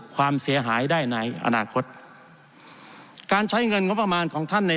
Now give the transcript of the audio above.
ความเสียหายได้ในอนาคตการใช้เงินงบประมาณของท่านใน